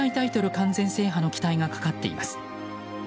完全制覇の期待がかかっています。